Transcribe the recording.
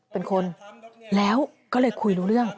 เป็นคนแล้วก็เลยคุยรู้เรื่อง